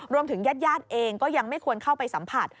ญาติญาติเองก็ยังไม่ควรเข้าไปสัมผัส